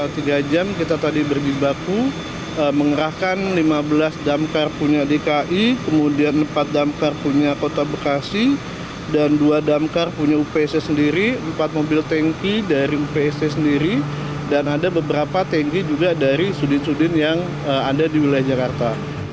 tiga jam kita tadi berjibaku mengerahkan lima belas damkar punya dki kemudian empat damkar punya kota bekasi dan dua damkar punya upc sendiri empat mobil tanki dari upsc sendiri dan ada beberapa tanki juga dari sudin sudin yang ada di wilayah jakarta